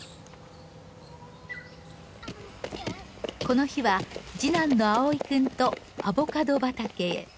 この日は次男の碧生くんとアボカド畑へ。